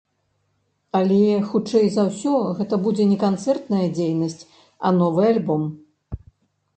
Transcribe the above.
Але, хутчэй за ўсё, гэта будзе не канцэртная дзейнасць, а новы альбом.